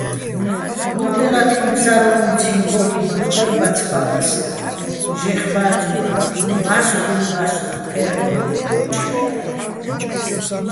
ჺურდელათინო̆ ფსარლო́მციჼ ქო́კიმაქ ბარ ბაცბაჼ ვასერ, ჟეხ ბა́წურ, მა́სხთხუჲნი̆ პა́სუხ თე́ლ'ორ, ო́ჯხი გა́გჲორ.